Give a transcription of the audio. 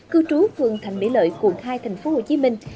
cư trú phường thành mỹ lợi quận hai thành phố hồ chí minh